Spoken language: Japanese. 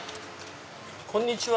こんにちは。